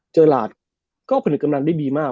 เจอหลาดก็ผลิตกำลังได้ดีมาก